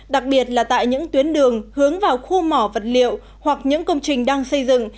đặc biệt là tại những tuyến đường hướng vào khu mỏ vật liệu hoặc những công trình đang xây dựng